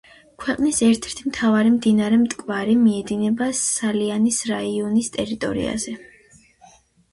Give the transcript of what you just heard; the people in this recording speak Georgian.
ქვეყნის ერთ-ერთი მთავარი მდინარე მტკვარი მიედინება სალიანის რაიონის ტერიტორიაზე.